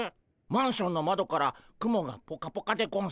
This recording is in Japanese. マンションのまどから雲がポカポカでゴンスか？